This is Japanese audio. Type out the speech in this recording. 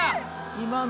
今の。